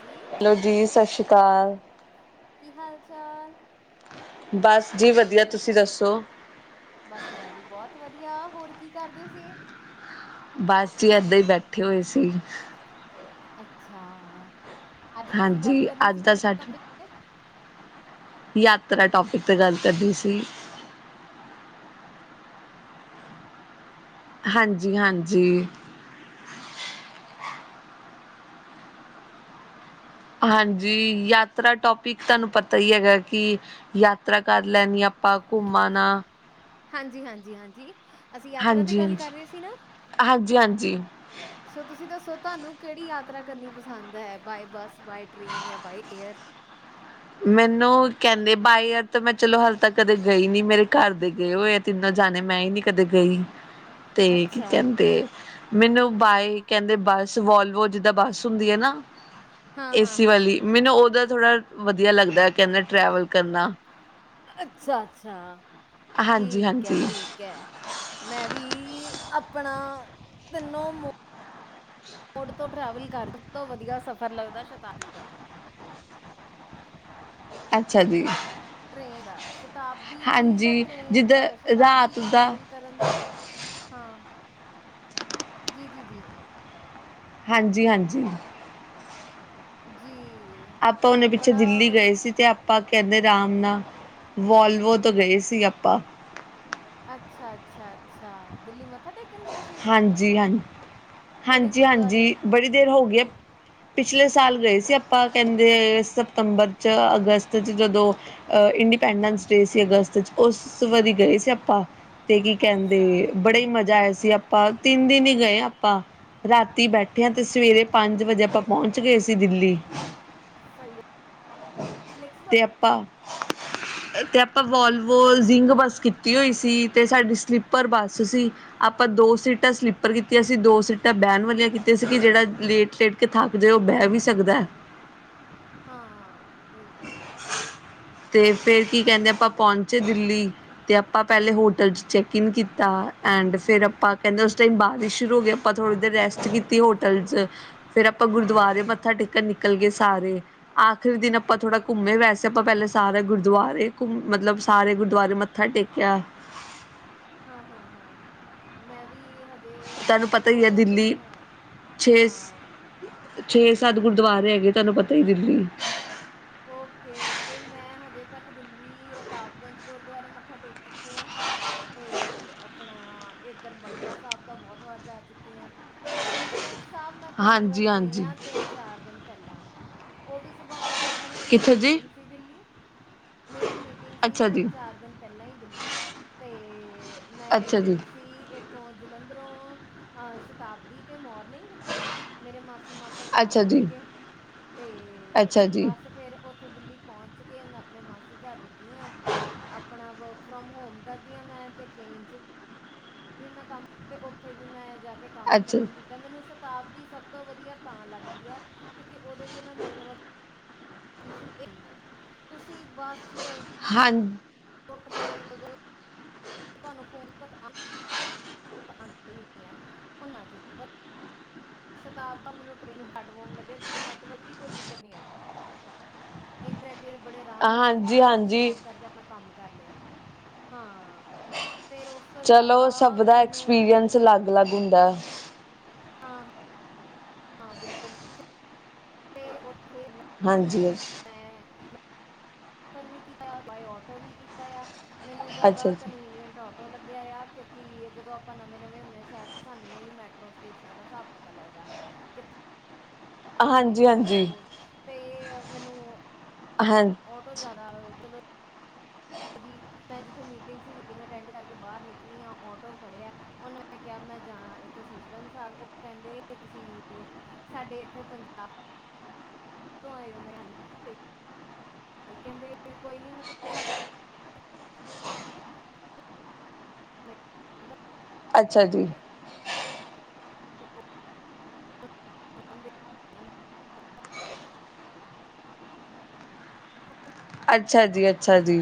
ਜੀ ਹੈਲੋ ਜੀ ਸਸ ਰੀ ਕਾਲ ਕੀ ਹਾਲ ਚਾਲ? ਬਸ ਜੀ ਵਧੀਆ ਤੁਸੀਂ ਦੱਸੋ? ਬਸ ਮੈਂ ਵੀ ਬਹੁਤ ਵਧੀਆ ਹੋਰ ਕੀ ਕਰਦੇ ਸੀ? ਬਸ ਜੀ ਏਦਾਂ ਈ ਬੈਠੇ ਹੋਏ ਸੀ। ਅੱਛਾ ਆ। ਹਾਂਜੀ ਅੱਜ ਤਾਂ ਸਾਡ ਟੌਪਿਕ ਤੇ ਯਾਤਰਾ ਟੋਪਿਕ ਤੇ ਗੱਲ ਕਰਦੀ ਸੀ। ਹਾਂਜੀ -ਹਾਂਜੀ। ਹਾਂਜੀ ਯਾਤਰਾ ਟੋਪਿਕ ਤੁਹਾਨੂੰ ਪਤਾ ਈ ਹੈਗਾ ਕਿ ਯਾਤਰਾ ਕਰ ਲੈਣੀ ਆਪ ਆਪਾ ਘੁੰਮ ਆਨਾ। ਹਾਂਜੀ -ਹਾਂਜੀ -ਹਾਂਜੀ ਅਸੀਂ ਯਾਤਰਾ ਤੇ ਗੱਲ ਕਰ ਰੇ ਸੀ ਨਾ। ਜੀ, ਸੋ ਤੁਸੀਂ ਦੱਸੋ ਤੁਹਾਨੂੰ ਕਿਹੜੀ ਯਾਤਰਾ ਕਰਨੀ ਪਸੰਦ ਹੈ ਬਾਏ ਬੱਸ ਬਾਏ ਟ੍ਰੇਨ ਜਾਂ ਬਾਏ ਏਅਰ। ਮੈਨੂੰ ਕਹਿੰਦੇ ਬਾਏ ਏਅਰ ਤਾਂ ਮੈਂ ਚਲੋ ਹਾਲੇ ਤੱਕ ਕਦੇ ਗਈ ਨੀ ਮੇਰੇ ਘਰ ਦੇ ਗਏ ਹੋਏ ਆ ਤਿੰਨੋ ਜਾਣੇ ਮੈਂ ਈ ਨੀ ਕਦੇ ਗਈ ਤੇ ਕੀ ਅੱਛਾ ਕਹਿੰਦੇ ਮੈਨੂੰ ਬਾਏ ਕਹਿੰਦੇ ਬੱਸ ਵੋਲਵੋ ਜਿੱਦਾਂ ਬੱਸ ਹੁੰਦੀ ਐ ਨਾ ਹਾਂ ਹਾਂ ਏਸੀ ਹਾਂ ਵਾਲੀ ਮੈਨੂੰ ਉਹਦਾ ਥੋੜਾ ਵਧੀਆ ਲੱਗਦਾ ਕਹਿੰਦੇ ਟਰੈਵਲ ਕਰਨਾ। ਅੱਛਾ-ਅੱਛਾ। ਹਾਂਜੀ ਠੀਕ ਐ ਹਾਂਜੀ ਠੀਕ ਐ ਮੈਂ ਵੀ ਈ ਆਪਣਾ ਤਿੰਨੋ ਮ ਮੋਡ ਤੋਂ ਟ੍ਰੈਵਲ ਕਰ ਸਭ ਤੋਂ ਵਧੀਆ ਸਫ਼ਰ ਲੱਗਦਾ ਏ ਸ਼ਤਾਬਦੀ ਦਾ। ਅੱਛਾ ਜੀ। ਟ੍ਰੇਨ ਦਾ ਸਤ ਸ਼ਤਾਬਦੀ ਦਾ ਹਾਂਜੀ ਟ੍ਰੇਨ ਜਿੱਦਾਂ ਅ ਸ਼ਤਾਬਦੀ ਰਾਤ ਚ ਦਾ ਟ੍ਰੈਵਲ ਕਰਨ ਦਾ ਹਾਂ, ਜੀ- ਜੀ- ਜੀ। ਹਾਂਜੀ-ਹਾਂਜੀ। ਜੀ। ਆਪਾਂ ਉਹਨੇ ਪਿੱਛੇ ਬੜਾ ਦਿੱਲੀ ਵਧੀਆ ਗਏ ਸੀ ਤੇ ਆਪਾਂ ਕਹਿੰਦੇ ਆਰਾਮ ਨਾ ਵੋਲਵੋ ਤੋਂ ਗਏ ਸੀ ਆਪਾਂ। ਅੱਛਾ-ਅੱਛਾ-ਅੱਛਾ ਦਿੱਲੀ ਮ ਹਾਂਜੀ, ਹਾਂ। ਕਿਹੜੇ ਗੁਰਦੁਆਰੇ ਹਾਂਜੀ-ਹਾਂਜੀ, ਬੜੀ ਦੇਰ ਹੋ ਗਈ ਐ ਪਿਛਲੇ ਸਾਲ ਗਏ ਸੀ ਆਪਾਂ ਕਹਿੰਦੇ ਸਤੰਬਰ ਚ ਅਗਸਤ 'ਚ ਜਦੋਂ ਅ ਇੰਡੀਪੈਂਡੈਂਸ ਸੀ ਅਗਸਤ ਚ ਉਸ ਵਾਰੀ ਗਏ ਸੀ ਆਪਾਂ ਤੇ ਕੀ ਕਹਿੰਦੇ ਅੱਛਾ ਬੜਾ ਈ ਮਜ਼ਾ ਆਇਆ ਸਹੀ ਸੀ। ਸੀ ਆਪਾਂ ਤਿੰਨ ਦਿਨ ਈ ਗਏ ਆਪਾਂ। ਰਾਤੀ ਬੈਠਿਆਂ ਤੇ ਸਵੇਰੇ ਪੰਜ ਵਜੇ ਆਪਾਂ ਪਹੁੰਚ ਗੇ ਸੀ ਦਿੱਲੀ। ਸਹੀ ਏ। ਤੇ ਆਪਾਂ, ਤੇ ਆਪਾਂ ਵੋਲਵੋ ਜਿੰਗ ਬੱਸ ਕੀਤੀ ਹੋਈ ਸੀ ਤੇ ਸਾਡੀ ਸਲੀਪਰ ਬੱਸ ਸੀ ਆਪਾਂ ਦੋ ਸੀਟਾਂ ਸਲੀਪਰ ਕੀਤੀਆਂ ਸੀ ਦੋ ਸੀਟ ਤਾਂ ਬਹਿਣ ਵਾਲੀਆਂ ਕੀਤੇ ਸੀ ਕਿ ਜਿਹੜਾ ਲੇਟ-ਲੇਟ ਕੇ ਥੱਕ ਜੇ ਉਹ ਬਹਿ ਵੀ ਸਕਦਾ ਐ। ਹਾਂ। ਬਿਲਕੁਲ ਤੇ ਫੇਰ ਕੀ ਕਹਿੰਦੇ ਆਪਾਂ ਪਹੁੰਚੇ ਦਿੱਲੀ ਤੇ ਆਪਾਂ ਪਹਿਲੇ ਹੋਟਲ 'ਚ ਚੈੱਕਇਨ ਕੀਤਾ ਐਂਡ ਫੇਰ ਆਪਾਂ ਕਹਿੰਦੇ ਉਸ ਟਾਈਮ ਬਾਰਿਸ਼ ਸ਼ੁਰੂ ਹੋ ਗਈ ਆਪਾਂ ਥੋੜ੍ਹੀ ਦੇਰ ਰੈਸਟ ਕੀਤੀ ਹੋਟਲ ਚ ਫੇਰ ਆਪਾਂ ਹਾਂ ਗੁਰਦੁਆਰੇ ਮੱਥਾ ਟੇਕਣ ਨਿਕਲ ਗਏ ਸਾਰੇ ਆਖਰੀ ਦਿਨ ਆਪਾਂ ਥੋੜਾ ਘੁੰਮੇ ਵੈਸੇ ਆਪਾਂ ਪਹਿਲ ਸਾ ਗੁਰਦੁਆਰੇ ਘਕ ਮਤਲਬ ਸਾਰੇ ਗੁਰਦੁਆਰੇ ਮੱਥਾ ਟੇਕਿਆ। [unintelligible] ਹਾਂ-ਹਾਂ-ਹਾਂ ਮੈਂ ਕਿ ਹਜੇ ਆ ਤੁਹਾਨੂੰ ਪਤਾ ਹੀ ਹੈ ਦੋ-ਤਿੰਨ ਦਿਨ ਦਿੱਲੀ ਹੈ ਛੇ ਹਾਂ। ਛੇ ਸੱਤ ਗੁਰਦੁਆਰੇ ਹੈਗੇ ਤੁਹਾਨੂੰ ਪਤਾ ਹੀ ਦਿੱਲੀ। ਓਕੇ-ਓਕੇ, ਮੈਂ ਹਜੇ ਤੱਕ ਦਿੱਲੀ ਰਕਾਬਗੰਜ ਗੁਰਦੁਆਰੇ ਮੱਥਾ ਟੇਕ ਚੁੱਕੀ ਹਾਂ। ਤੇ ਆਪਣਾ ਇੱਧਰ ਬੰਗਲਾ ਸਾਹਿਬ ਤਾਂ ਬਹੁਤ ਵਾਰ ਜਾ ਚੁੱਕੀ ਹਾਂ। ਸੀਸ ਗੰਜ ਸਾਹਿਬ, ਮੈਂ ਪਹਿਲੀ ਹਾਂਜੀ ਵਾਰੀ ਗਈ ਹਾਂਜੀ ਹ ਤਿੰਨ-ਚਾਰ ਦਿਨ ਪਹਿਲਾਂ ਉਹ ਵੀ ਕਿੱਦਾਂ ਬਣਿਆ ਮੇਰੀ ਕਿੱਥੇ ਜੀ ਮੀਟਿੰਗ ਸੀ ਦਿੱਲੀ। ਮੇਰੀ ਮੀਟਿੰਗ ਸੀ ਅੱਛਾ ਜੀ ਤਿੰਨ ਚਾਰ ਦਿਨ ਪਹਿਲਾਂ ਹੀ ਦਿੱਲੀ ਤੇ ਮੈਂ ਅੱਛਾ ਜੀ ਗਈ ਸੀ। ਇੱਥੋਂ ਜਲੰਧਰੋਂ ਅਹ ਸ਼ਤਾਬਦੀ ਤੇ ਮੌਲ ਨਹੀਂ ਮੇਰੇ ਮਾਸੀ ਮਾਸੜ ਅੱਛਾ ਨਾਲ ਹੀ ਜੀ ਸੀਗੇ ਤੇ ਅੱਛਾ ਜੀ ਬਸ ਫਿਰ ਉੱਥੇ ਦਿੱਲੀ ਪਹੁੰਚ ਕੇ ਮੈਂ ਆਪਣੇ ਮਾਸੀ ਘਰ ਰੁਕੀ ਹਾਂ ਆਪਣਾ ਵ ਫਰੋਮ ਹੋਮ ਕਰਦੀ ਹਾਂ ਮੈਂ ਅਤੇ ਟ੍ਰੇਨ 'ਚ ਮੈਂ ਕੰਮ ਉੱਥੇ ਵੀ ਮੈਂ ਜਾ ਕੰਮ ਨੀ ਅੱਛਾ ਖਤਮ ਕੀਤਾ ਮੈਨੂੰ ਸ਼ਤਾਬਦੀ ਸਭ ਤੋਂ ਵਧੀਆ ਤਾਂ ਲੱਗਦੀ ਆ ਕਿਉਂਕਿ ਉਹਦੇ ਚ ਨਾ ਨੈਟਵਰਕ ਇਸ਼ੂ ਇਹੀ ਹੈ ਤੁ ਤੁਸੀ ਬੱਸ ਚ ਹਾਂ ਚ ਟਰੇਨ ਚ ਤੁਹਾਨੂੰ ਫੋੜ ਉਹ ਸ਼ਤਾਬ ਦਾ ਮੈਨੂੰ ਟਰੇਨ ਹੈਡਫੋਨ ਲੱਗਿਆ ਜਿਦੇ ਨੈਟਵਰਕ ਦੀ ਕੋਈ ਦਿੱਕਤ ਨੀ ਆਈ। ਇੰਟਰਨੈਟ ਮੇਰੇ ਬੜੇ ਆਰਾਮ ਨਾਲ ਚੱਲਿਆ ਹਾਂਜੀ ਮੈਂ ਹਾਂਜੀ ਹੋਟਸਪੋਟ ਨ ਕਰਕੇ ਆਪਣਾ ਕੰਮ ਕਰ ਲਿਆ ਹਾਂ। ਫਿਰ ਉਸ ਤੋਂ ਇਲਾਵਾ ਚਲੋ ਸਭ ਦਾ ਮੈਨੂੰ ਐਕਸਪੀਰੀਅੰਸ ਅਲੱਗ-ਅਲੱਗ ਹੁੰਦਾ। ਹਾਂ। ਹਾਂ, ਬਿਲਕੁਲ ਫਿਰ ਉੱਥੇ ਹਾਂਜੀ। ਹ। ਰ ਕੀਤਾ ਆਟੋ ਵੀ ਕੀਤਾ ਆ ਮੈਨੂੰ ਜਿਆਦਾ ਅੱਛਾ ਜੀ ਕਨਵੀਨੀਟ ਮੈੋ ਲੱਗਿਆ ਆ ਕਿਉਂਕਿ ਜਦੋਂ ਆਪਾਂ ਨਵੇਂ-ਨਵੇਂ ਹੁੰਦੇ ਹਾਂ ਸ਼ਹਿਰ ਚਚ ਸਾਨੂੰ ਨਹੀਂ ਹੀ ਮੈਟਰੋ ਸਟੇਸ਼ਨਾਂ ਦਾ ਹਿਸਾਬ ਪਤਾ ਲੱਗਦਾ। ਕਿਥੇ? ਟਰੇਨ ਹਾਂਜੀ ਫੜ ਹਾਂਜੀ ਹੋ ਤੇ ਮੈਨੂੰ ਹਾਂ ਆਟੋ ਜ਼ਿਆਦਾ ਥ ਹਮ਼। ਮੈਂ ਜਿੱਥੇ ਮੀਟਿੰਗ ਸੀ ਮੀਟਿੰਗ ਅਟੈਂਡ ਕਰਕੇ ਬਾਹਰ ਨਿਕਲੀ ਆ ਆਟੋ ਫੜਿਆ ਉਹਨਾਂ ਨੇ ਕਿਹਾ ਮੈਂ ਜਾਣਾ। ਥੇ ਸੀਸਗੰਜ ਸਾਹਿਬ ਉਹ ਕਹਿੰਦੇ ਤੁਸੀਂ ਸਾਡੇ ਇੱਥੇ ਪੰਜਾਬ ਹਮ। ਕਿਉਂ ਆਈ ਹੋ ਮੇਰੇ ਕਹਿੰਦੇ ਕੋਈ ਨੀ ਮੈਂ ਤੂਹਾਨੂੰ ਛਢ [unintelligible] ਅੱਛਾ ਜੀ। ਕਹਿੰਦਾ [unintelligible] ਅੱਛਾ ਜੀ-ਅੱਛਾ ਜੀ।